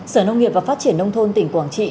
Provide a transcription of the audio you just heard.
sở nông nghiệp và phát triển nông thôn tỉnh quảng trị